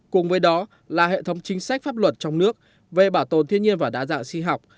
cùng với đó là hệ thống chính sách pháp luật trong nước về bảo tồn thiên nhiên và đa dạng sinh học